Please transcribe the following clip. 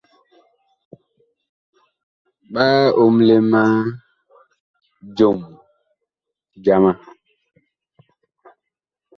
Ɓa omle ma jom jama.